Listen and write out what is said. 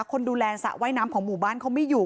คนดูแลสระว่ายน้ำของหมู่บ้านเขาไม่อยู่